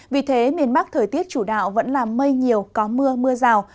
vì thế miền bắc thời tiết chủ đạo vẫn là mây nhiều có mưa mưa rào